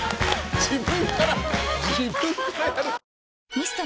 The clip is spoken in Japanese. ミスト？